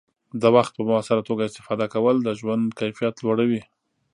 د وخت په مؤثره توګه استفاده کول د ژوند کیفیت لوړوي.